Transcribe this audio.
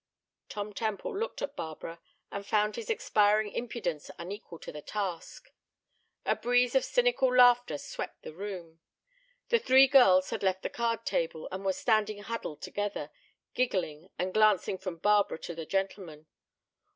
Tom Temple looked at Barbara and found his expiring impudence unequal to the task. A breeze of cynical laughter swept the room. The three girls had left the card table, and were standing huddled together, giggling and glancing from Barbara to the gentlemen.